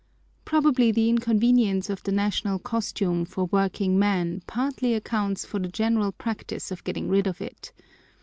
Probably the inconvenience of the national costume for working men partly accounts for the general practice of getting rid of it.